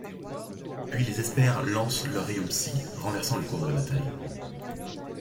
Puis les Espers lancent leur rayon Psy, renversant le cours de la bataille.